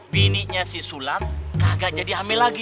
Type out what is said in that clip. bininya si sulam kagak jadi hamil lagi